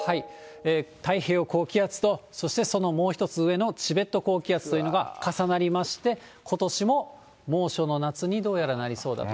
太平洋高気圧と、そしてそのもう一つ上のチベット高気圧というのが重なりまして、ことしも猛暑の夏に、どうやらなりそうだと。